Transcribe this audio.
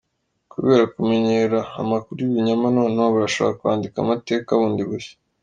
«Kubera kumenyera amakuru y’ibinyoma noneho barashaka kwandika amateka bundi bushya.